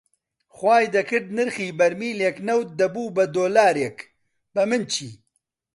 خوای دەکرد نرخی بەرمیلێک نەوت دەبووە دۆلارێک، بەمن چی